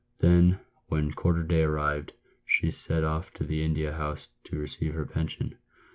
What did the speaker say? Then, when quarter day arrived, she set off to the India House to receive her pension